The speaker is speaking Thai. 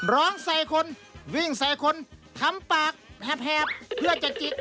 ร้องใส่คนวิ่งใส่คนทำปากแหบเพื่อจะจิก